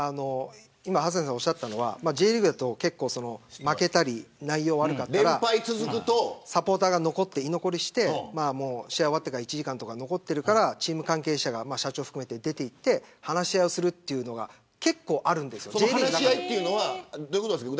ハセンさんがおっしゃったのはＪリーグだと負けたり、内容が悪かったらサポーターが居残りして試合が終わってから１時間とか残ってるからチーム関係者が社長を含めて出ていって話し合いをするのが話し合いというのはどういうことですか。